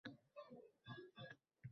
Tarixlarni aylaydi bayon.